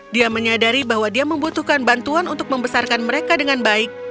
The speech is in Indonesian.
dia menyadari bahwa dia membutuhkan bantuan untuk membesarkan mereka dengan baik